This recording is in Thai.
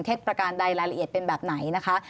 ประการใดรายละเอียดเป็นแบบไหนนะคะ